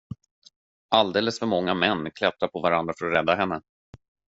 Alldeles för många män, klättrar på varandra för att rädda henne.